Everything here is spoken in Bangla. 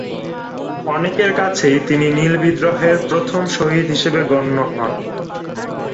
অনেকের কাছে তিনি নীল বিদ্রোহের প্রথম শহীদ হিসেবে গণ্য হন।